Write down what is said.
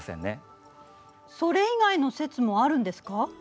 それ以外の説もあるんですか？